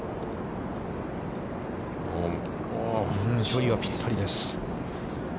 距離はぴったりです。